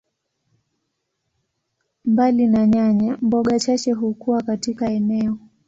Mbali na nyanya, mboga chache hukua katika eneo.